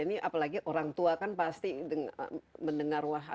ini apalagi orang tua kan pasti mendengar wahana